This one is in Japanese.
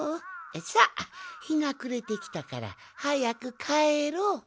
さひがくれてきたからはやくかえろう。